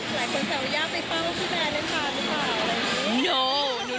หลายคนใส่วิญญาณไปเป้าพี่แบล์เล่นกลางหรือเปล่า